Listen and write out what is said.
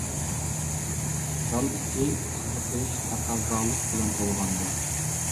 زال ئىچى قىزىقىش، تەقەززالىق بىلەن تولغانىدى.